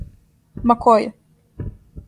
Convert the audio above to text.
Ма ко је?